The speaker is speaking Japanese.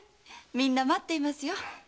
みんな待っていますよ。